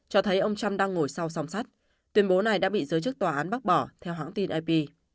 cho thấy ông trump đang ngồi sau song sắt tuyên bố này đã bị giới chức tòa án bác bỏ theo hãng tin ap